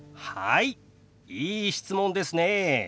いい質問ですね。